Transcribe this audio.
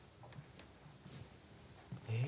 え？